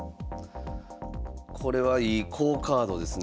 これはいい好カードですね。